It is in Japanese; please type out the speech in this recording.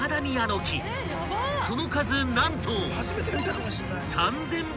［その数何と］